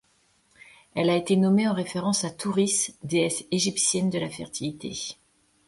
Elle a été nommée en référence à Thouris, déesse égyptienne de la fertilité.